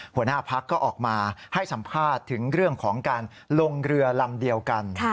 หัวหน้าพักก็ออกมาให้สัมภาษณ์ถึงเรื่องของการลงเรือลำเดียวกัน